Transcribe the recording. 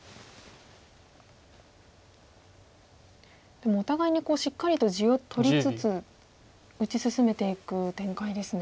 でもお互いにしっかりと地を取りつつ打ち進めていく展開ですね。